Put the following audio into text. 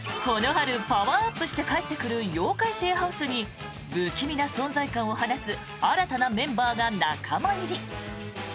この春パワーアップして帰ってくる「妖怪シェアハウス」に不気味な存在感を放つ新たなメンバーが仲間入り。